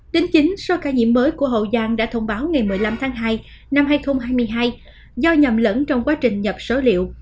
tính chính số ca nhiễm mới của hậu giang đã thông báo ngày một mươi năm tháng hai năm hai nghìn hai mươi hai do nhầm lẫn trong quá trình nhập số liệu